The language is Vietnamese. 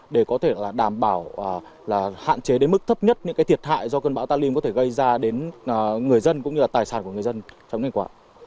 để có thể đảm bảo hạn chế đến mức thấp nhất những thiệt hại do cơn bão talim có thể gây ra đến người dân cũng như tài sản của người dân trong ngày qua